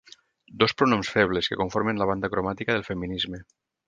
Dos pronoms febles que conformen la banda cromàtica del feminisme.